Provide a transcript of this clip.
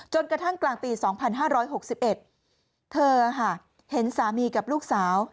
กระทั่งกลางปี๒๕๖๑เธอเห็นสามีกับลูกสาว